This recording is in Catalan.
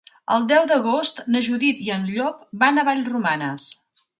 El deu d'agost na Judit i en Llop van a Vallromanes.